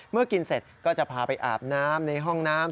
เมื่อกินเสร็จก็จะพาไปอาบน้ำในห้องน้ำ